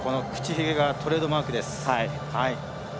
この唇がトレードマークです。